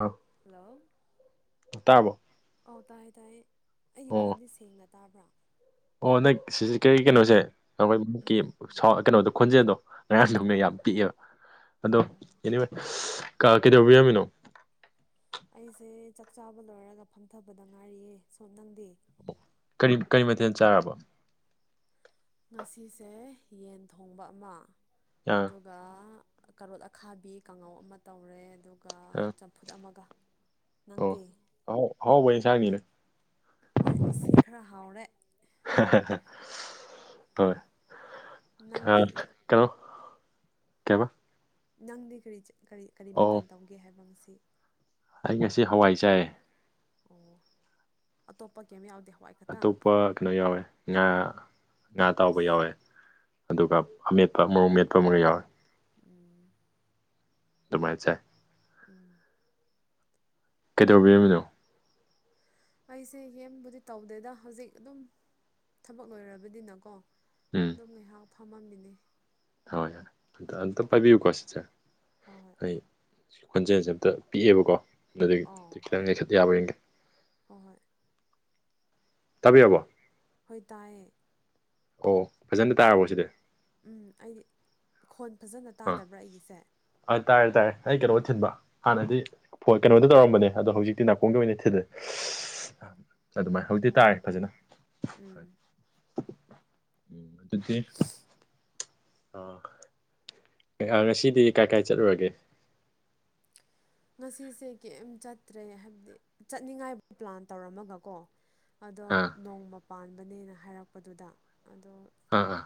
ꯑ ꯍꯜꯂꯣ ꯇꯥꯔꯕꯣ ꯑꯧ ꯇꯥꯏꯌꯦ ꯇꯥꯏꯌꯦ ꯑꯩꯒꯤ ꯑꯣ ꯈꯣꯟꯗꯤ ꯁꯦꯡꯅ ꯇꯥꯕ꯭ꯔꯥ ꯑꯣ ꯅꯪ ꯁꯤꯁꯦ ꯀꯔꯤ ꯀꯩꯅꯣꯁꯦ ꯑꯩꯈꯣꯏ ꯎꯝ ꯀꯩꯅꯣꯗꯣ ꯈꯣꯟꯖꯦꯜꯗꯣ ꯉꯔꯥꯡꯁꯨꯅ ꯌꯥꯝ ꯑꯥꯎ ꯄꯤꯛꯑꯦꯕ ꯑꯗꯣ ꯑꯣ ꯑꯦꯅꯤꯋꯦ ꯀ ꯀꯩꯗꯧ ꯕꯤꯔꯝꯃꯤꯅꯣ ꯑꯩꯁꯦ ꯆꯥꯛ ꯆꯥꯕ ꯂꯣꯏꯔꯒ ꯐꯝꯊꯕꯗ ꯉꯥꯏꯔꯤꯌꯦ ꯁꯣꯝ ꯅꯪꯗꯤ ꯀꯔꯤ ꯀꯔꯤ ꯃꯊꯦꯜ ꯆꯥꯔꯕ ꯉꯁꯤꯁꯦ ꯌꯦꯟ ꯊꯣꯡꯕ ꯑꯃ ꯑꯥ ꯑꯗꯨ ꯒ ꯀꯔꯣꯠ ꯑꯈꯥꯕꯤ ꯀꯥꯡꯉꯧ ꯑꯃ ꯇꯧꯔꯦ ꯑꯗꯨꯒ ꯑꯥ ꯆꯝꯐꯨꯠ ꯑꯃꯒ ꯑꯣ ꯅꯪꯗꯤ ꯑꯍꯥꯎ ꯑꯍꯥꯎꯕ ꯌꯦꯟꯁꯥꯡꯅꯤꯅꯦ ꯍꯣꯏ ꯉꯁꯤ ꯈꯔ ꯍꯥꯎꯔꯦ ꯍꯥ ꯍꯥ ꯍꯥ ꯍ‌ꯣꯏ ꯅꯪꯗꯤ ꯈꯔ ꯍꯜꯂ‌ꯣ ꯀꯩꯕ ꯅꯪꯗꯤ ꯀꯔꯤ ꯀꯔꯤ ꯀꯔꯤ ꯑꯣ ꯃꯊꯦꯜ ꯇꯧꯒꯦ ꯍꯥꯏꯕ ꯉꯁꯤ ꯑꯩ ꯉꯁꯤ ꯍꯋꯥꯏ ꯆꯥꯏ ꯑꯣ ꯑꯇꯣꯞꯄ ꯀꯩꯝ ꯌꯥꯎꯗꯦ ꯍꯋꯥꯏ ꯈꯛꯇꯪ ꯑꯇꯣꯞꯄ ꯀꯩꯅꯣ ꯌꯥꯎꯋꯦ ꯉꯥ ꯉꯥ ꯑꯇꯥꯎꯕ ꯑꯁ ꯌꯥꯎꯋꯦ ꯑꯗꯨꯒ ꯑꯃꯦꯠꯄ ꯃꯔꯣꯛ ꯃꯦꯠꯄ ꯑꯃꯒ ꯌꯥꯎꯋꯦ ꯎꯝ ꯑꯗꯨꯃꯥꯏ ꯆꯥꯏ ꯎꯝ ꯀꯩꯗꯧꯕꯤꯔꯝꯃꯤꯅꯣ ꯑꯩꯁꯦ ꯌꯦꯝꯕꯨꯗꯤ ꯇꯧꯗꯦꯗ ꯍꯧꯖꯤꯛ ꯑꯗꯨꯝ ꯊꯕꯛ ꯂꯣꯏꯔꯕꯅꯤꯅꯀꯣ ꯎꯝ ꯑꯗꯨꯝ ꯉꯥꯏꯍꯥꯛ ꯐꯝꯃꯝꯃꯤꯅꯦ ꯍꯣꯏ ꯑꯝꯇ ꯑꯝꯇ ꯄꯥꯏꯕꯤꯌꯨꯀꯣ ꯁꯤꯁꯇꯔ ꯍꯣꯏ ꯍꯣꯏ ꯑꯩ ꯈꯣꯟꯖꯦꯜꯁꯦ ꯑꯝꯇ ꯄꯤꯛꯑꯦꯕꯀꯣ ꯑꯗꯨꯏ ꯑꯣ ꯈꯤꯇꯪ ꯂꯩꯈꯠ ꯌꯥꯕꯔ ꯌꯦꯡꯒꯦ ꯍꯣꯏ ꯍꯣꯏ ꯇꯥꯕꯤꯔꯕꯣ ꯍꯣꯏ ꯇꯥꯏꯌꯦ ꯑꯣ ꯐꯖꯅ ꯇꯥꯔꯕꯣ ꯁꯤꯁ ꯎꯝ ꯑꯩ ꯈꯣꯟ ꯐꯖꯅ ꯑꯥ ꯇꯥꯗꯕ꯭ꯔꯥ ꯑꯩꯒꯤꯁꯦ ꯇꯥꯔꯦ ꯇꯥꯔꯦ ꯑꯩ ꯀꯩꯅꯣ ꯊꯤꯟꯕ ꯍꯥꯟꯅꯗꯤ ꯐꯣꯟ ꯀꯩꯅꯣꯗ ꯇꯧꯔꯝꯕꯅꯦ ꯑꯗꯣ ꯍꯧꯖꯤꯛꯇꯤ ꯅꯥꯀꯣꯡꯗ ꯑꯣꯏꯅ ꯊꯤꯜꯂꯦ ꯑꯗꯨꯃꯥꯏꯅ ꯍꯧꯖꯤꯛꯇꯤ ꯑꯣ ꯇꯥꯔꯦ ꯐꯖꯅ ꯎꯝ ꯍꯣꯏ ꯎꯝ ꯑꯗꯨꯗꯤ ꯑ ꯉꯁꯤꯗꯤ ꯀꯥꯏ ꯀꯥꯏ ꯆꯠꯂꯨꯔꯒꯦ ꯉꯁꯤꯁꯦ ꯀꯩꯝ ꯆꯠꯇ꯭ꯔꯦ ꯍꯥꯏꯕꯗꯤ ꯆꯠꯅꯤꯡꯉꯥꯏ ꯄ꯭ꯂꯥꯟ ꯇꯧꯔꯝꯃꯒ ꯀꯣ ꯑꯗꯣ ꯑꯥ ꯅꯣꯡꯃ ꯄꯥꯟꯕꯅꯦꯅ ꯍꯥꯏꯔꯛꯄꯗꯨꯗ ꯑꯗꯣ ꯑꯥ ꯑꯥ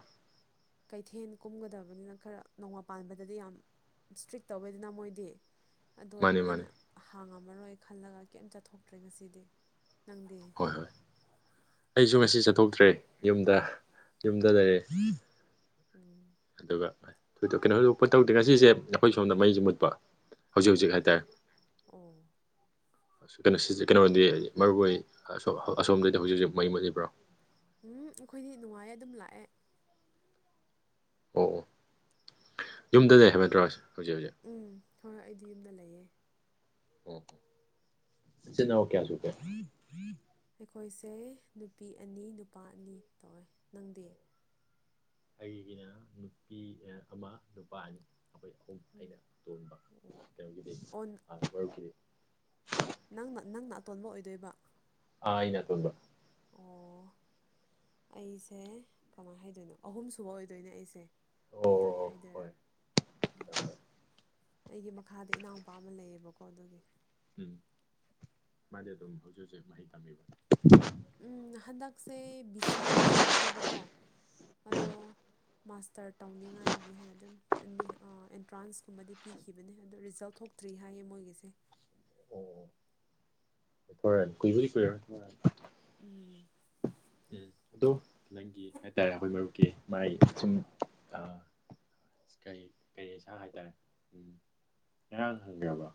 ꯀꯩꯊꯦꯟ ꯀꯨꯝꯒꯗꯕꯅꯤꯅ ꯈꯔ ꯅꯣꯡꯃ ꯄꯥꯟꯕꯗꯗꯤ ꯌꯥꯝ ꯏꯁ꯭ꯇ꯭ꯔꯤꯛ ꯇꯧꯑꯦꯗꯅ ꯃꯣꯏꯗꯤ ꯑꯗꯨ ꯃꯥꯅꯦ ꯃꯥꯅꯦ ꯑꯣꯏꯕꯅꯤꯅ ꯍꯥꯡꯉꯝꯃꯔꯣꯏ ꯈꯜꯂꯒ ꯀꯩꯝ ꯆꯠꯊꯣꯛꯇ꯭ꯔꯦ ꯉꯁꯤꯗꯤ ꯅꯪꯗꯤ ꯍꯣꯏ ꯑꯩꯁꯨ ꯉꯁꯤ ꯆꯠꯊꯣꯛꯇ꯭ꯔꯦ ꯌꯨꯝꯗ ꯌꯨꯝꯗ ꯂꯩꯔꯦ ꯎꯝ ꯑꯗꯨꯒ [unintelligible] ꯉꯁꯤꯁꯦ ꯑꯩꯈꯣꯏ ꯁꯣꯝꯗ ꯃꯩꯁꯨ ꯃꯨꯠꯄ ꯍꯧꯖꯤꯛ ꯑꯣ ꯍꯧꯖꯤꯛ ꯍꯥꯏꯇꯥꯔꯦ ꯑꯣ ꯀꯩꯅꯣ ꯁꯤꯁ ꯀꯩꯅꯣꯗꯤ ꯃꯔꯨ ꯑꯣꯏ ꯑꯁꯣꯝꯗꯗꯤ ꯍꯧꯖꯤꯛ ꯍꯧꯖꯤꯛ ꯃꯩ ꯃꯨꯠꯂꯤꯕ꯭ꯔꯣ ꯎꯝ ꯑꯩꯈꯣꯏꯗꯤ ꯅꯨꯡꯉꯥꯏꯌꯦ ꯑꯗꯨꯝ ꯂꯥꯛꯑꯦ ꯑꯣ ꯌꯨꯝꯗ ꯂꯩ ꯍꯥꯏꯕ ꯅꯠꯇ꯭ꯔ‌ꯣ ꯍꯧꯖꯤꯛ ꯍꯧꯖꯤꯛ ꯎꯝ ꯍꯣꯏ ꯍꯣꯏ ꯑꯩꯗꯤ ꯌꯨꯝꯗ ꯂꯩꯌꯦ ꯏꯆꯤꯟ ꯏꯅꯥꯎ ꯀꯌꯥ ꯁꯨꯒ‌ꯦ ꯑꯩꯈꯣꯏꯁꯦ ꯅꯨꯄꯤ ꯑꯅꯤ ꯅꯨꯄꯥ ꯑꯅꯤ ꯇꯧꯋꯦ ꯅꯪꯗꯦ ꯑꯩꯒꯤꯅ ꯅꯨꯄꯤ ꯑꯥ ꯑꯃ ꯅꯨꯄꯥ ꯑꯅꯤ ꯑꯣ ꯑꯩꯈꯣꯏ ꯑꯍꯨꯝ ꯑꯩꯅ ꯑꯇꯣꯟꯕ ꯀꯩꯅꯣꯒꯤꯗꯤ ꯑꯣ [unintelligible] ꯅꯪꯅ ꯅꯪꯅ ꯑꯇꯣꯟꯕ ꯑꯣꯏꯗꯣꯏꯕ ꯑ ꯑꯩꯅ ꯑꯇ‌ꯣꯟꯕ ꯑꯣ ꯑꯩꯁꯦ ꯀꯃꯥꯏꯅ ꯍꯥꯏꯗꯣꯏꯅꯣ ꯑꯍꯨꯝꯁꯨꯕ ꯑꯣꯏꯗꯣꯏꯅꯦ ꯑꯩꯁꯦ ꯑꯣ ꯃꯌꯥꯏ ꯑꯣ ꯍꯥꯏꯗꯣꯏꯔꯥ ꯍꯣꯏ ꯎꯝ ꯑꯩꯒꯤ ꯃꯈꯥꯗ ꯏꯅꯥꯎꯅꯨꯄꯥ ꯑꯃ ꯂꯩꯌꯦꯕꯀꯣ ꯑꯗꯨꯒꯤ ꯎꯝ ꯃꯥꯗꯤ ꯑꯗꯨꯝ ꯍꯧꯖꯤꯛ ꯍꯧꯖꯤꯛ ꯃꯍꯩ ꯇꯝꯃꯤꯕꯔ‌ꯣ ꯎꯝ ꯍꯟꯗꯛꯁꯦ ꯕꯤ ꯁꯤ ꯑꯦ ꯂꯣꯏꯁꯤꯟꯕꯅꯦꯕꯀꯣ ꯑꯗꯣ ꯃꯥꯁꯇꯔ ꯇꯧꯅꯤꯡꯉꯥꯏꯒꯤ ꯍꯥꯏꯅ ꯑꯗꯨꯝ ꯑꯦꯟꯇ꯭ꯔꯥꯟꯁꯀꯨꯝꯕꯗꯤ ꯄꯤꯈꯤꯕꯅꯦ ꯑꯗꯣ ꯔꯤꯖꯜ ꯊꯣꯛ ꯇ꯭ꯔꯤ ꯍꯥꯏꯌꯦ ꯃꯣꯏꯒꯤꯁꯦ ꯑꯣ ꯀꯨꯏꯕꯨꯗꯤ ꯀꯨꯏꯔꯔꯣꯏ ꯎꯝ ꯎꯝ ꯑꯗꯣ ꯅꯪꯒꯤ ꯍꯥꯏꯇꯥꯔꯦ ꯑꯩꯈꯣꯏ ꯃꯔꯨꯞꯀꯤ ꯃꯥꯏ ꯁꯨꯝ ꯀꯔꯤ ꯀꯔꯤꯁꯥꯡ ꯍꯥꯏꯇꯥꯔꯦ ꯎꯝ ꯉꯔꯥꯡ ꯍꯪꯕꯤꯔꯕ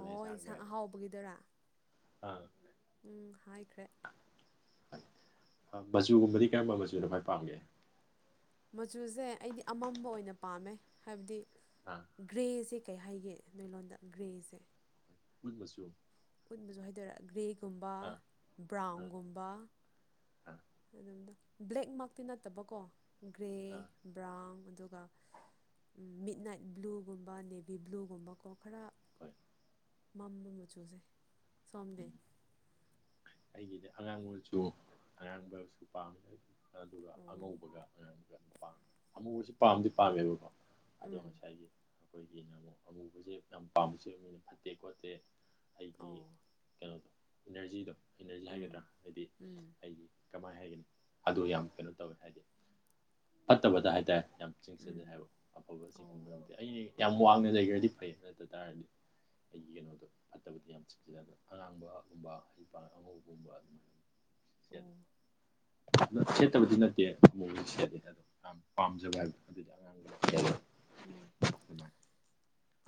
ꯑꯣ ꯏꯟꯁꯥꯡ ꯑꯍꯥꯎꯕꯒꯤꯗꯨꯔꯥ ꯑꯥ ꯎꯝ ꯍꯥꯏꯈ꯭ꯔꯦ ꯃꯆꯨꯒꯨꯝꯕꯗꯤ ꯀꯔꯝꯕ ꯃꯆꯨꯅꯣ ꯈ꯭ꯋꯥꯏ ꯄꯥꯝꯒꯦ ꯃꯆꯨꯁꯦ ꯑꯩꯗꯤ ꯑꯃꯝꯕ ꯑꯣꯏꯅ ꯄꯥꯝꯃꯦ ꯍꯥꯏꯕꯗꯤ ꯑ ꯒ꯭ꯔꯦꯁꯦ ꯀꯩ ꯍꯥꯏꯒꯦ ꯅꯣꯏꯂꯣꯟꯣꯟꯗ ꯒ꯭ꯔꯦꯁꯦ ꯎꯠ ꯃꯆꯨ ꯎꯠ ꯃꯆꯨ ꯍꯥꯏꯗꯣꯏꯔ ꯒ꯭ꯔꯦꯒꯨꯝꯕ ꯕ꯭ꯔꯥꯎꯟꯒꯨꯝꯕ ꯑ ꯑꯗꯣꯝꯗ ꯕ꯭ꯂꯦꯛ ꯃꯛꯇꯤ ꯅꯠꯇꯕꯀꯣ ꯒ꯭ꯔꯦ ꯑꯥ ꯕ꯭ꯔꯥꯎꯟ ꯑꯗꯨꯒ ꯃꯤꯠ ꯅꯥꯏꯠ ꯕ꯭ꯂꯨꯒꯨꯝꯕ ꯅꯦꯕꯤ ꯕ꯭ꯂꯨꯒꯨꯝꯕꯀꯣ ꯈꯔ ꯍꯣꯏ ꯃꯝꯕ ꯃꯆꯨꯁꯦ ꯁꯣꯝꯗꯤ ꯎꯝ ꯑꯩꯒꯤꯗꯤ ꯑꯉꯥꯡ ꯃꯆꯨ ꯑꯔꯥꯡꯕꯁꯨ ꯄꯥꯝꯃꯦ ꯑꯗꯨ ꯑꯗꯨꯒ ꯑꯣ ꯑꯉꯧꯕꯒ ꯑꯉꯥꯡꯕꯒ ꯄꯥꯝꯃꯦ ꯑꯃꯨꯕꯁꯤ ꯄꯥꯝꯗꯤ ꯄꯥꯝꯃꯦꯕꯀꯣ ꯑꯗꯣ ꯎꯝ ꯉꯁꯥꯏꯒꯤ ꯑꯩꯈꯣꯏꯒꯤꯅ ꯑꯃꯨꯛ ꯑꯃꯨꯕꯁꯦ ꯌꯥꯝ ꯄꯥꯝꯕꯁꯨ ꯑꯣꯏꯕꯅꯤꯅ ꯐꯠꯇꯦ ꯈꯣꯠꯇꯦ ꯍꯥꯏꯗꯤ ꯑꯣ ꯀꯩꯅꯣꯗꯣ ꯏꯅꯔꯖꯤꯗꯣ ꯏꯅꯔꯖꯤ ꯎꯝ ꯍꯥꯏꯒꯗ꯭ꯔꯥ ꯍꯥꯏꯗꯤ ꯎꯝ ꯑꯩꯒꯤ ꯀꯃꯥꯏꯅ ꯍꯥꯏꯒꯅꯤ ꯑꯗꯨ ꯌꯥꯝ ꯀꯩꯅꯣ ꯇꯧꯋꯦ ꯍꯥꯏꯗꯤ ꯐꯠꯇꯕꯗ ꯍꯥꯏꯇꯥꯔꯦ ꯌꯥꯝ ꯆꯤꯡꯁꯤꯜꯂꯦ ꯎꯝ ꯍꯥꯏꯕ ꯑꯐꯕ ꯆꯤꯡꯁꯤꯟꯕ ꯑꯣ ꯅꯠꯇꯦ ꯑꯩꯩꯗꯤ ꯌꯥꯝ ꯋꯥꯡꯅ ꯂꯩꯈ꯭ꯔꯗꯤ ꯐꯩ ꯅꯠꯇ ꯇꯥꯔꯗꯤ ꯑꯩꯒꯤ ꯀꯩꯅꯣꯗꯣ ꯐꯠꯇꯕꯗꯤ ꯌꯥꯝ ꯆꯤꯡꯁꯤꯂꯦ ꯑꯗ ꯑꯉꯥꯡꯕꯒꯨꯝꯕ ꯍꯩ ꯑꯉꯧꯕꯒꯨꯝꯕ ꯑꯗꯨꯃꯥꯏꯅ ꯁꯦꯠꯂꯦ ꯑꯣ ꯁꯦꯠꯇꯕꯗꯤ ꯅꯠꯇꯦ ꯑꯃꯨꯗꯤ ꯁꯦꯠꯂꯤ ꯑꯗꯣ ꯄꯝꯖꯕ ꯍꯥꯏꯕꯗꯨꯅꯤ ꯎꯝ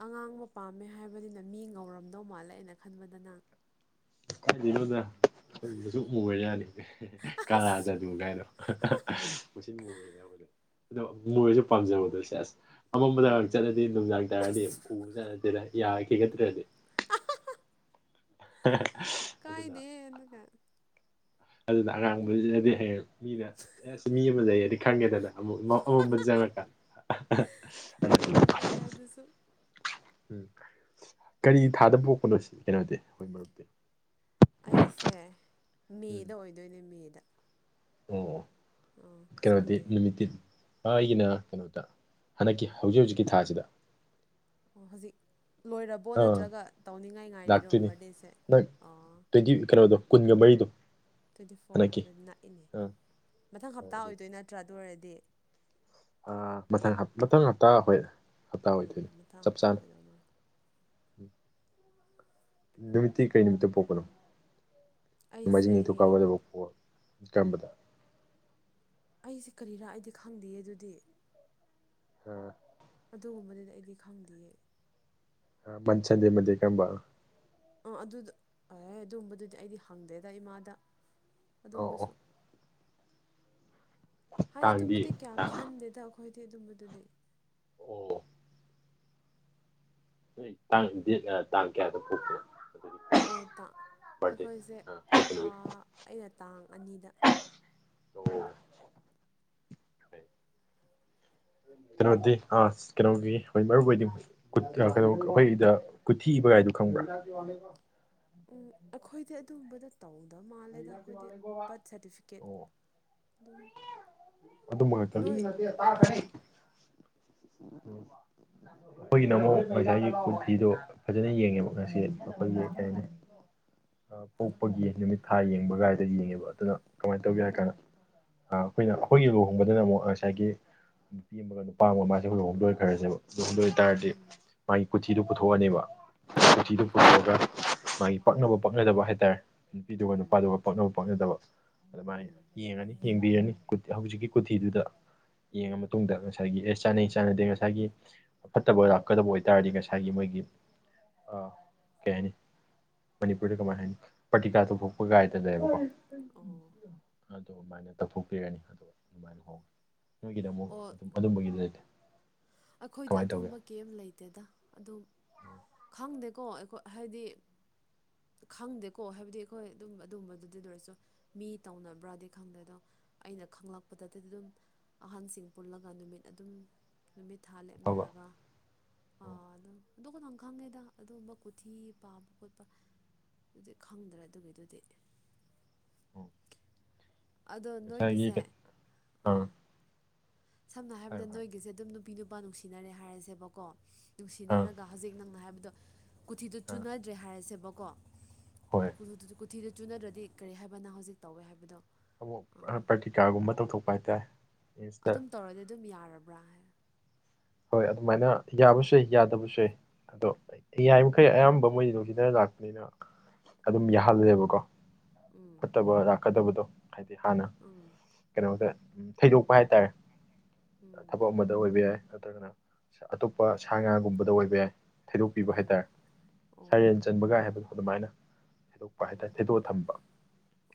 ꯑꯉꯥꯡꯕ ꯄꯥꯝꯃꯦ ꯍꯥꯏꯕꯅꯤꯅ ꯃꯤ ꯉꯧꯔꯝꯗꯧ ꯃꯥꯜꯂꯦ ꯑꯩꯅ ꯈꯟꯕꯗ ꯅꯪ ꯀꯥꯏꯗꯩꯅꯣꯗ ꯃꯨꯁꯨꯛ ꯃꯨꯒ꯭ꯔꯖꯥꯠꯅꯤ ꯀꯥꯂꯥ ꯑꯁ ꯖꯥꯗꯨ ꯍꯥꯏꯗꯣ ꯃꯁꯤꯟ ꯃꯨꯔ ꯑꯗꯣ ꯃꯨꯔꯁꯨ ꯄꯥꯝꯖꯕꯗꯣ ꯁꯦꯁ ꯑꯃꯝꯕꯗ ꯎꯝ ꯎꯝ ꯆꯠꯂꯗꯤ ꯅꯨꯡꯗꯥꯡ ꯇꯥꯔꯗꯤ ꯑꯁ ꯎꯕꯖꯥꯠ ꯅꯠꯇꯦꯗ ꯌꯥ ꯈꯤꯒꯠꯇ꯭ꯔꯗꯤ ꯑꯍꯥ ꯍꯥ ꯑꯗꯨꯅ ꯑꯗꯨꯒ ꯑꯗꯨꯅ ꯑꯉꯥꯡꯕ ꯂꯤꯠꯂꯗꯤ ꯍꯌꯦꯡ ꯃꯤꯅ ꯑꯁ ꯃꯤ ꯑꯃ ꯂꯩꯌꯦꯗꯤ ꯈꯪꯒꯦꯗꯅ ꯑꯃꯨꯛ ꯑꯃꯝꯕꯗ ꯆꯪꯉꯛꯀꯥꯟꯗ [unintelligible] ꯑ ꯌꯥꯏ ꯑꯗꯨꯁꯨ ꯎꯝ ꯀꯔꯤ ꯊꯥꯗꯕ ꯄꯣꯛꯄꯅꯣ ꯁꯤ ꯀꯩꯅꯣꯗꯤ ꯑꯩꯈꯣꯏ ꯃꯔꯨꯞꯇꯤ ꯑꯩꯁꯦ ꯎꯝ ꯃꯦꯗ ꯑꯣꯏꯗꯣꯏꯅꯦ ꯃꯦꯗ ꯑꯣ ꯑꯥ ꯀꯩꯅꯣꯗꯤ ꯁꯣꯝꯗꯤ ꯅꯨꯃꯤꯠꯇꯤ ꯑꯩꯒꯤꯅ ꯀꯩꯅꯣꯗ ꯍꯟꯗꯛꯀꯤ ꯍꯧꯖꯤꯛ ꯍꯧꯖꯤꯛꯀꯤ ꯊꯥꯁꯤꯗ ꯑꯣ ꯍꯧꯖꯤꯛ ꯂꯣꯏꯔꯕꯣ ꯑꯥ ꯅꯠꯇ꯭ꯔꯒ ꯇꯧꯅꯤꯡꯉꯥꯏ ꯉꯥꯏꯔꯤꯔꯣ ꯕꯥꯔꯗꯦꯁꯦ ꯑꯣ ꯇꯣꯏꯟꯇꯤ ꯀꯩꯅꯣꯗꯣ ꯀꯨꯟꯒ ꯃꯔꯤꯗꯣ ꯇ꯭ꯋꯦꯟꯇꯤ ꯐꯣꯔ ꯍꯟꯗꯛꯀꯤ ꯑꯗꯨꯗꯤ ꯅꯛꯏꯅꯦ ꯑꯥ ꯃꯊꯪ ꯍꯞꯇꯥ ꯑꯣꯏꯗꯣꯏ ꯅꯠꯇ꯭ꯔꯥ ꯑꯗꯨ ꯑꯣꯏꯔꯗꯤ ꯃꯊꯪ ꯃꯊꯪ ꯍꯞꯇꯥ ꯍꯣꯏ ꯍꯞꯇꯥ ꯎꯝ ꯑꯣꯏꯗꯣꯏꯅꯤ ꯃꯊꯪ ꯆꯞ ꯍꯞꯇꯥ ꯆꯥꯅ ꯑꯣꯏꯗꯧ ꯃꯥꯜꯂꯦ ꯎꯝ ꯅꯨꯃꯤꯠꯇꯤ ꯀꯔꯤ ꯅꯨꯃꯤꯠꯇ ꯄꯣꯛꯄꯅꯣ ꯅꯣꯡꯃꯥꯏꯖꯤꯡ ꯑꯩꯁꯦ ꯅꯤꯊ ꯀꯥꯒꯗꯕ ꯄꯣꯛꯑ ꯀꯝꯕꯗ ꯑꯩꯁꯦ ꯀꯔꯤꯔꯥ ꯑꯩꯗꯤ ꯈꯪꯗꯦ ꯑꯗꯨꯗꯤ ꯎꯝ ꯑꯗꯨꯒꯨꯝꯕꯗꯨꯗꯤ ꯑꯩꯗꯤ ꯈꯪꯗꯦꯌꯦ ꯁꯟꯗꯦ ꯃꯟꯗꯦ ꯀꯔꯝꯕ ꯑꯥ ꯑꯗꯨꯗ ꯑꯗꯨꯝꯕꯗꯨꯗꯤ ꯑꯩꯗꯤ ꯍꯪꯗꯦꯗ ꯏꯃꯥꯗ ꯑꯧ ꯑꯣ ꯑꯗꯨꯝꯕꯁꯨ ꯍꯥꯏ ꯀꯥꯡꯗꯤ ꯑꯗꯨꯝꯕꯗꯤ ꯀꯌꯥ ꯇꯥꯡ ꯈꯟꯗꯦꯗ ꯑꯩꯈꯣꯏꯗꯤ ꯑꯗꯨꯝꯕꯗꯨꯗꯤ ꯑꯣ ꯅꯣꯏ ꯇꯥꯡ ꯇꯥꯡ ꯀꯌꯥꯗ ꯄꯣꯛꯄꯣ ꯑꯣ ꯇꯥ ꯑꯩꯈꯣꯏꯁꯦ ꯑꯗꯨꯗꯤ ꯑꯩꯅ ꯇꯥꯡ ꯑꯅꯤꯗ ꯀꯩꯅꯣꯗꯤ ꯑ ꯀꯩꯅꯣꯒꯤ ꯍꯣꯏ ꯃꯔꯨ ꯑꯣꯏꯗꯤ ꯀꯩꯅꯣ ꯑꯩꯈꯣꯏꯗ ꯀꯨꯊꯤꯕꯒꯥꯏꯗꯨꯣ ꯈꯪꯕ꯭ꯔꯥ ꯑꯩꯈꯣꯏꯗꯤ ꯑꯗꯨꯒꯨꯝꯕꯗ ꯇꯧꯗꯕ ꯃꯥꯜꯂꯦꯗ ꯑꯩꯈꯣꯏꯗꯤ ꯕꯥꯔꯠ ꯁꯥꯔꯇꯤꯐꯤꯀꯦꯠ ꯑꯗꯨꯝ ꯑꯗꯨ ꯃ ꯀꯜ ꯅꯣꯏ ꯎꯝ ꯑꯩꯈꯣꯏꯒꯤꯅ ꯑꯃꯨꯛ ꯐꯖꯅ ꯌꯦꯡꯉꯦꯕ ꯉꯁꯤ ꯑꯩꯈꯣꯏꯒꯤ ꯀꯩ ꯍꯥꯏꯅꯤ ꯄꯣꯛꯄꯒꯤ ꯅꯨꯃꯤꯠ ꯊꯥ ꯌꯦꯡꯕ ꯒꯥꯥꯏꯗ ꯌꯦꯡꯉꯦꯕ ꯑꯗꯨꯅ ꯀꯃꯥꯏꯅ ꯇꯧꯒꯦ ꯍꯥꯏ ꯀꯥꯟꯗ ꯑꯩꯈꯣꯏꯅ ꯑꯩꯈꯣꯏꯒꯤ ꯂꯨꯍꯣꯡꯕꯗꯨꯅ ꯑꯃꯨꯛ ꯉꯁꯥꯏꯒꯤ ꯅꯨꯄꯤ ꯑꯃꯒ ꯅꯨꯄꯥ ꯑꯃ ꯃꯥꯁꯦꯈꯣꯏ ꯍꯣꯡꯗꯣꯏꯈ꯭ꯔꯁꯦꯕ ꯍꯣꯡꯗꯣꯏꯦ ꯍꯥꯏꯇꯥꯔꯗꯤ ꯎꯝ ꯃꯥꯒꯤ ꯀꯣꯊꯤꯗꯨ ꯄꯨꯊꯣꯛꯑꯅꯦꯕ ꯑꯣ ꯀꯣꯊꯤꯗꯨ ꯄꯨꯊꯣꯛꯑꯒ ꯃꯥꯒꯤ ꯄꯛꯅꯕ ꯄꯛꯅꯗꯕ ꯍꯥꯏꯇꯥꯔꯦ ꯅꯨꯄꯤꯗꯨꯒ ꯎꯝ ꯅꯨꯄꯥꯗꯨꯒ ꯄꯛꯅꯕ ꯄꯥꯛꯅꯗꯕ ꯑꯗꯨꯃꯥꯏꯅ ꯎꯝ ꯌꯦꯡꯉꯅꯤ ꯌꯦꯡꯕꯤꯔꯅꯤ ꯍꯧꯖꯤꯛꯀꯤ ꯀꯣꯊꯤꯗꯨꯗ ꯌꯦꯡꯉ ꯎꯝ ꯃꯇꯨꯡꯗ ꯉ ꯉꯁꯥꯏꯒꯤ ꯑꯦ ꯆꯥꯅꯩ ꯆꯥꯅꯗꯦ ꯉꯁꯥꯏꯒꯤ ꯑ ꯐꯠꯇꯕ ꯂꯥꯛꯀꯗꯕ ꯑꯣꯏꯇꯥꯔꯗꯤ ꯉꯁꯥꯏꯒꯤ ꯃꯣꯏꯒꯤ ꯑꯥ ꯀꯩ ꯍꯥꯏꯅꯤ ꯃꯅꯤꯄꯨꯔꯗ ꯀꯃꯥꯏ ꯍꯥꯏꯅꯤ ꯄꯇꯤꯀꯥ ꯇ ꯐꯣꯛꯄ ꯀꯥꯏꯗꯗꯕꯀꯣ ꯑꯣ ꯑꯗꯨꯃꯥꯏꯅ ꯇꯧꯊꯣꯛꯄꯤꯔꯅꯤ ꯑꯗꯨ ꯑꯗꯨꯃꯥꯏꯅ ꯍꯣꯡꯉꯤ ꯅꯣꯏꯒꯤꯗ ꯑꯃꯨꯛ ꯑꯣ ꯑꯗꯨꯝ ꯑꯗꯨꯝꯕꯒꯤꯗꯤ ꯂꯩꯇꯦ ꯑꯩꯈꯣꯏꯗꯤ ꯀꯃꯥꯏꯅ ꯇꯧꯒꯦ ꯑꯗꯨꯝꯕ ꯀꯦꯝ ꯂꯩꯇꯦꯗ ꯑꯗꯨꯝ ꯈꯪꯗꯦꯀꯣ ꯑꯩꯣꯏ ꯍꯥꯏꯗꯤ ꯈꯪꯗꯦꯀꯣ ꯍꯥꯏꯕꯗꯤ ꯑꯩꯈꯣꯏ ꯑꯗꯨꯝ ꯑꯗꯨꯝꯕꯗꯨꯗꯤ ꯂ ꯑꯣꯏꯔꯁꯨ ꯃꯤ ꯇꯧꯅꯕ꯭ꯔꯥꯗꯤ ꯈꯪꯗꯦ ꯑꯗꯣ ꯑꯩꯅ ꯈꯪꯂꯛꯄꯗꯗꯤ ꯑꯗꯨꯝ ꯑꯍꯟꯁꯤꯡ ꯄꯨꯜꯂꯒ ꯅꯨꯃꯤꯠ ꯑꯗꯨꯝ ꯅꯨꯃꯤꯠ ꯊꯥ ꯐꯕ ꯂꯦꯞꯅꯔꯒ ꯑ ꯎꯝ ꯑꯗꯨꯝ ꯑꯗꯨ ꯀꯩꯅꯣꯝ ꯈꯪꯉꯦꯗ ꯑꯗꯨꯒꯨꯝꯕ ꯀꯨꯊꯤ ꯄꯥꯕ ꯈꯣꯠꯄ ꯑꯗꯨꯗꯤ ꯈꯪꯗ꯭ꯔꯥ ꯑꯗꯨꯒꯤꯗꯨꯗꯤ ꯎꯝ ꯑꯗꯣ ꯅꯣꯏꯒꯤꯁꯦ ꯉꯁꯥꯏꯒꯤ ꯑꯥ ꯁꯝꯅ ꯍꯥꯏꯌꯣ ꯍꯥꯏꯔꯕꯗ ꯍꯥꯏꯌꯣ ꯅꯣꯏꯒꯤꯁꯦ ꯑꯗꯨꯝ ꯅꯨꯄꯤ ꯅꯨꯄꯥ ꯅꯨꯡꯁꯤꯅꯔꯦ ꯍꯥꯏꯔꯁꯦꯕꯀꯣ ꯑꯥ ꯅꯨꯡꯁꯤꯅꯔꯒ ꯍꯧꯖꯤꯛ ꯅꯪꯅ ꯍꯥꯏꯕꯗꯣ ꯀꯣꯊꯤꯗꯣ ꯑꯥ ꯆꯨꯅꯗ꯭ꯔꯦ ꯍꯥꯏꯔꯁꯦꯕꯀꯣ ꯍꯣꯏ ꯀꯣꯊꯤꯗꯨ ꯆꯨꯅꯗ꯭ꯔꯗꯤ ꯀꯔꯤ ꯍꯥꯏꯕꯅ ꯍꯧꯖꯤꯛ ꯇꯧꯋꯦ ꯍꯥꯏꯕꯗꯣ ꯑꯃꯨꯛ ꯑꯥ ꯄ꯭ꯔꯇꯤꯀꯥꯔꯒꯨꯝꯕ ꯇꯧꯊꯣꯛꯄ ꯍꯥꯏꯇꯥꯔꯦ ꯏꯪꯂꯤꯁꯇ ꯑꯗꯨꯝ ꯇꯧꯔꯗꯤ ꯑꯗꯨꯝ ꯌꯥꯔꯕ꯭ꯔꯥ ꯍꯥꯏ ꯍꯣꯏ ꯑꯗꯨꯃꯥꯏꯅ ꯌꯥꯕꯁꯨ ꯌꯥꯏ ꯌꯥꯗꯕꯁꯨ ꯌꯥꯏ ꯑꯗꯣ ꯌꯥꯔꯤꯃꯈꯩ ꯑꯌꯥꯝꯕ ꯃꯣꯏꯗꯤ ꯂꯧꯁꯤꯗ ꯂꯥꯛꯄꯅꯤꯅ ꯑꯗꯨꯝ ꯌꯥꯍꯜꯂꯦꯕꯀꯣ ꯎꯝ ꯐꯠꯇꯕ ꯂꯥꯛꯀꯗꯕꯗꯣ ꯍꯥꯏꯗꯤ ꯍꯥꯟꯅ ꯎꯝ ꯀꯩꯅꯣꯗ ꯊꯩꯗꯣꯛꯄ ꯍꯥꯏꯇꯥꯔꯦ ꯎꯝ ꯊꯕꯛ ꯑꯃꯗ ꯑꯣꯏꯕ ꯌꯥꯏ ꯅꯠꯇ꯭ꯔꯒꯅ ꯑꯇꯣꯞꯄ ꯁꯥ ꯉꯥꯒꯨꯝꯕꯗ ꯑꯣꯏꯕ ꯌꯥꯏ ꯊꯩꯗꯣꯛꯄꯤꯕ ꯍꯥꯏꯇꯥꯔꯦ ꯑꯣ ꯑꯣ ꯁꯔꯦꯟ ꯆꯟꯕꯒꯥꯏ ꯍꯥꯏꯕꯗꯣ ꯑꯗꯨꯃꯥꯏꯅ ꯊꯩꯗꯣꯛꯄ ꯍꯥꯏꯇꯥꯔꯦ ꯑꯣ ꯊꯦꯗꯣꯛꯑ ꯊꯝꯕ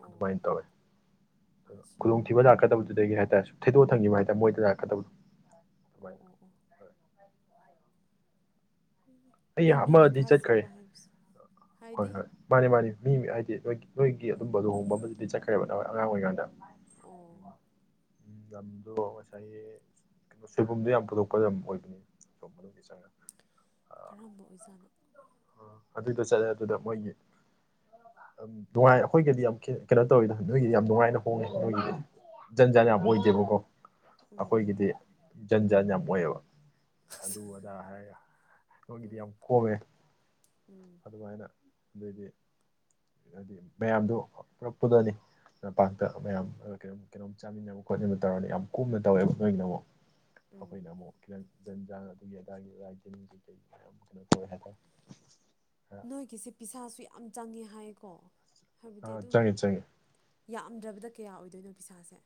ꯑꯣ ꯑꯗꯨꯃꯥꯏꯅ ꯇꯧꯋꯦ ꯑꯠꯁꯥ ꯈꯨꯗꯣꯡꯊꯤꯕ ꯂꯥꯛꯀꯗꯕꯗꯨꯗꯒꯤ ꯍꯥꯏꯇꯥꯔꯦ ꯁꯨꯝ ꯊꯩꯗꯣꯛꯑ ꯊꯪꯉꯤꯕ ꯍꯥꯏꯇꯥꯔꯦ ꯃꯣꯏꯗ ꯂꯥꯛꯀꯗꯕꯗꯨꯣ ꯑꯣ ꯑꯣ ꯑꯣ [unintelligible] ꯑꯩ ꯃꯤ ꯃꯤꯒꯤ ꯑꯃꯗꯤ ꯆꯠꯈ꯭ꯔꯦ ꯊꯥꯖꯕ ꯍꯥꯏꯕꯁꯦ ꯍꯣꯏ ꯍꯥꯏꯗꯤ ꯍꯣꯏ ꯃꯥꯅꯤ ꯃꯥꯅꯤ ꯃꯤ ꯃꯤ ꯍꯥꯏꯗꯤ ꯅꯣꯏꯒꯤ ꯅꯣꯏꯒꯤ ꯑꯗꯨꯝꯕ ꯂꯨꯍꯣꯡꯕ ꯑꯃꯗꯤ ꯆꯠꯈ꯭ꯔꯦꯕ ꯅꯍꯥꯟꯋꯥꯏ ꯑꯉꯥꯡ ꯑꯣꯏꯔꯤꯀꯥꯟꯗ ꯑꯣ ꯎꯝ ꯂꯝꯗꯣ ꯑꯁꯥꯏꯌꯦ ꯁꯣꯏꯕꯨꯝꯗꯤ ꯌꯥꯝ ꯄꯨꯊꯣꯛꯄ ꯂꯝ ꯑꯣꯏꯕꯅꯤ ꯁꯣꯝ ꯃꯅꯨꯡꯗꯤ ꯆꯪꯉꯅꯤ ꯀꯔꯝꯕ ꯑꯣꯏꯖꯥꯅꯣ ꯑꯗꯨꯗ ꯆꯠꯂꯦ ꯑꯗꯨꯗ ꯃꯣꯏꯒꯤ ꯑꯝ ꯅꯨꯡꯉꯥꯏ ꯑꯩꯈꯣꯏꯒꯤꯗꯤ ꯌꯥꯝ ꯀꯦ ꯀꯩꯅꯣ ꯇꯧꯋꯤꯗ ꯅꯣꯏꯒꯤꯗꯤ ꯌꯥꯝ ꯅꯨꯡꯉꯥꯏꯅ ꯍꯣꯡꯉꯦ ꯅꯣꯏꯒꯤꯗꯤ ꯖꯟ ꯖꯥꯟ ꯌꯥꯝ ꯑꯣꯏꯗꯦꯕꯀꯣ ꯎꯝ ꯑꯩꯈꯣꯏꯒꯤꯗꯤ ꯖꯟ ꯖꯥꯟ ꯌꯥꯝ ꯑꯣꯏꯌꯦꯕ ꯑꯗꯨ ꯑꯗꯥ ꯍꯥꯏ [unintelligible] ꯅꯣꯏꯒꯤꯗꯤ ꯎꯝ ꯌꯥꯝ ꯀꯣꯝꯃꯦ ꯎꯝ ꯑꯗꯨꯃꯥꯏꯅ ꯑꯗꯨꯗꯤ ꯍꯥꯏꯗꯤ ꯃꯌꯥꯝꯗꯨ ꯄꯨꯂꯞ ꯄꯨꯜꯂꯅꯤ ꯂꯝꯄꯥꯛꯇ ꯃꯌꯥꯝ ꯎꯝ ꯀꯩꯅꯣꯝ__ ꯀꯩꯅꯣꯝ ꯆꯥꯃꯤꯟꯅꯕ ꯈꯣꯠꯅꯕ ꯇꯧꯔꯅꯤ ꯌꯥꯝ ꯀꯨꯡꯅ ꯇꯧꯋꯦꯕ ꯅꯣꯏꯒꯤꯅ ꯑꯃꯨꯛ ꯎꯝ ꯑꯩꯈꯣꯏꯅ ꯑꯃꯨꯛ ꯈꯤꯇꯪ ꯖꯟ ꯖꯥꯟ ꯑꯗꯨꯒꯤ ꯑꯗꯥꯒꯤ [unintelligible] ꯀꯩꯅꯣ ꯀꯧꯋꯦ ꯍꯥꯏꯇꯥꯔꯦ ꯅꯣꯏꯒꯤꯁꯦ ꯄꯩꯁꯥꯁꯨ ꯌꯥꯝ ꯆꯪꯉꯦ ꯍꯥꯏꯑꯀꯣ ꯑ ꯍꯥꯏꯕꯗꯤ ꯑꯗꯨꯝ ꯆꯪꯉꯦ ꯆꯪꯉꯦ ꯌꯥꯝꯗ꯭ꯔꯕꯗ ꯀꯌꯥ ꯑꯣꯏꯗꯣꯏꯅꯣ ꯄꯩꯁꯥꯁꯦ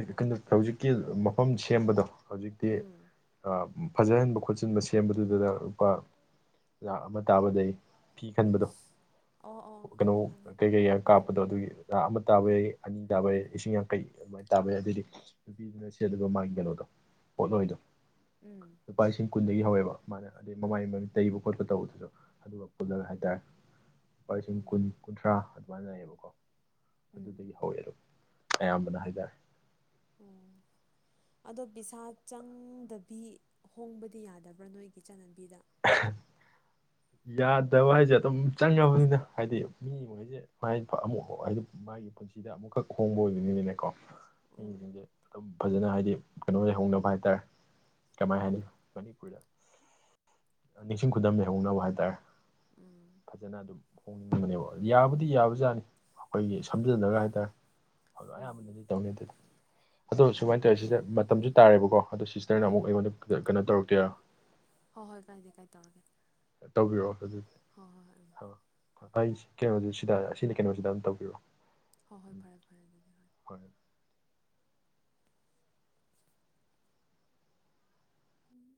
ꯑꯦ ꯀꯩꯅꯣ ꯍꯧꯖꯤꯛꯀꯤ ꯃꯐꯝ ꯁꯦꯝꯕꯗꯣ ꯍꯧꯖꯤꯛꯇꯤ ꯎꯝ ꯑ ꯐꯖꯍꯟꯕ ꯈꯣꯠꯆꯤꯟꯕ ꯁꯦꯝꯕꯗꯨꯗꯗ ꯂꯨꯄꯥ ꯂꯥꯛ ꯑꯃ ꯇꯥꯕꯗꯩ ꯐꯤ ꯈꯟꯕꯗꯣ ꯑꯁ ꯑꯣ ꯑꯣ ꯀꯩꯅꯣ ꯈꯪꯉꯦ ꯈꯪꯉꯦ ꯀꯩꯀꯩ ꯌꯥꯎ__ ꯀꯥꯞꯄꯗꯣ ꯑꯗꯨꯒꯤꯥ ꯂꯥꯛ ꯑꯃ ꯇꯥꯕ ꯎꯝ ꯌꯥꯏ ꯑꯅꯤ ꯇꯥꯕ ꯌꯥꯏ ꯂꯤꯁꯤꯡ ꯌꯥꯡꯈꯩ ꯑꯗꯨꯃꯥꯏꯅ ꯇꯥꯕ ꯌꯥꯏ ꯑꯗꯩꯗꯤ ꯅꯨꯄꯤꯗꯨꯅ ꯁꯦꯠꯂꯤꯕ ꯃꯥꯒꯤ ꯀꯩꯅꯣꯗꯣ ꯄꯣꯠꯂꯣꯏꯗꯣ ꯎꯝ ꯂꯨꯄꯥ ꯂꯤꯁꯤꯡ ꯀꯨꯟꯗꯒꯤ ꯍꯧꯋꯦꯕ ꯃꯥꯅ ꯑꯗꯩ ꯃꯃꯥꯏ ꯃꯃꯤꯠ ꯇꯩꯕ ꯈꯣꯠꯄ ꯇꯧꯕꯗꯨꯁꯨ ꯑꯗꯨꯒ ꯑꯣ ꯄꯨꯜꯂꯒ ꯍꯥꯏꯇꯥꯔꯦ ꯂꯨꯄꯥ ꯂꯤꯁꯤꯡ ꯎꯝ ꯀꯨꯟ ꯀꯨꯟꯊ꯭ꯔꯥ ꯑꯗꯨꯃꯥꯏꯅ ꯂꯩꯌꯦꯕꯀꯣ ꯎꯝ ꯑꯗꯨꯗꯒꯤ ꯍꯧꯋꯦ ꯑꯌꯥꯝꯕꯅ ꯍꯥꯏꯇꯥꯔꯦ ꯑꯣ ꯑꯗꯣ ꯕꯤꯁꯥ ꯆꯪꯗꯕꯤ ꯍꯣꯡꯕꯗꯤ ꯌꯥꯗꯕ꯭ꯔꯥ ꯅꯣꯏꯒꯤ ꯆꯠꯅꯕꯤꯗ ꯌꯥꯗꯕ ꯍꯥꯏꯁꯦ ꯑꯗꯨꯝ ꯆꯪꯉꯕꯅꯤꯗ ꯍꯥꯏꯗꯤ ꯃꯤ [unintelligible] [unintelligible] ꯃꯥꯒꯤ ꯄꯨꯟꯁꯤꯗ ꯑꯃꯨꯛꯈꯛ ꯍꯣꯡꯕ ꯑꯣꯏꯕꯅꯤꯅꯅꯦꯀꯣ ꯎꯝ ꯃꯤꯁꯤꯡꯖꯦ ꯑꯗꯨꯝ ꯐꯖꯅ ꯍꯥꯏꯗꯤ ꯀꯩꯅꯣ ꯂꯩꯩꯍꯧꯅꯕ ꯍꯥꯏꯇꯥꯔꯦ ꯀꯃꯥꯏ ꯑꯣ ꯍꯥꯏꯅꯤ ꯃꯅꯤꯄꯨꯔꯤꯗ ꯅꯤꯡꯁꯤꯡ ꯈꯨꯗꯝ ꯂꯩꯍꯧꯅꯕ ꯍꯥꯏꯇꯥꯔꯦ ꯎꯝ ꯐꯖꯅ ꯑꯗꯨꯝ ꯍꯣꯡꯅꯤꯡꯕꯅꯦꯕ ꯌꯥꯕꯨꯗꯤ ꯌꯥꯕꯖꯥꯠꯅꯤ ꯑꯩꯈꯣꯏꯒꯤ ꯁꯝꯖꯂꯒ ꯍꯥꯏꯇꯥꯔꯦ ꯎꯝ [unintelligible] ꯇꯧꯅꯤ ꯑꯗꯨꯗꯤ ꯑꯗꯣ ꯁꯨꯃꯥꯏꯅ ꯇꯧꯋꯦ ꯁꯤꯁꯇꯔ ꯃꯇꯝꯁꯨ ꯇꯥꯔꯦꯕꯀꯣ ꯑꯗꯣ ꯁꯤꯁꯇꯔꯅ ꯎꯝ ꯑꯃꯨꯛ ꯑꯩꯉꯣꯟꯗ ꯀ ꯀꯩꯅꯣ ꯇꯧꯔꯛꯀꯦꯔꯥ ꯍꯣꯏ ꯍꯣꯏ ꯀꯥꯏꯗꯦ ꯀꯥꯏ ꯇꯧꯔꯒꯦ ꯇꯧꯕꯤꯔꯛꯑꯣ ꯑꯗꯨꯗꯤ ꯍꯣ ꯍꯣꯏ ꯍꯣꯏ ꯎꯝ ꯑ ꯑꯩ ꯀꯩꯅꯣꯅꯦ ꯁꯤꯗ ꯑꯁꯤꯅ ꯀꯩꯅꯣꯁꯤꯗ ꯑꯗꯨꯝ ꯇꯧꯕꯤꯔꯛꯑꯣ ꯍꯣꯏ ꯍꯣꯏ ꯎꯝ ꯐꯔꯦ ꯐꯔꯦ ꯑꯗꯨꯗꯤ ꯍꯣꯏ ꯎꯝ